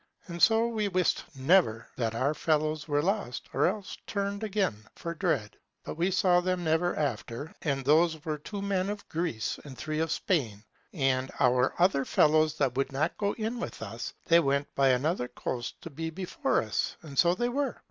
And so we wist never, whether that our fellows were lost, or else turned again for dread. But we saw them never after; and those were two men of Greece, and three of Spain. And our other fellows that would not go in with us, they went by another coast to be before us; and so they were.